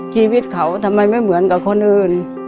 ชีวิตเขาทำไมไม่เหมือนกับคนอื่น